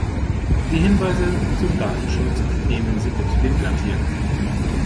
Die Hinweise zum Datenschutz entnehmen Sie bitte dem Blatt hier.